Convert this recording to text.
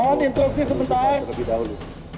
mohon interupsi sebentar